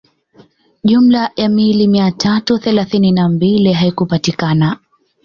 Jumla ya miili mia tatu thelathini na mbili haikupatikana